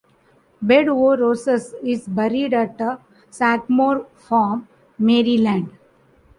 Bed o' Roses is buried at Sagamore Farm, Maryland.